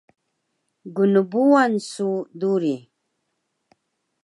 gnrbuwan su duri!